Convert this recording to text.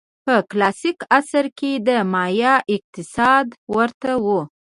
په کلاسیک عصر کې د مایا اقتصاد ورته و.